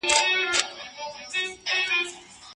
حقوق الله او حقوق العباد دواړه مهم دي.